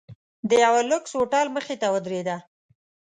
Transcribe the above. د یوه لوکس هوټل مخې ته ودریده.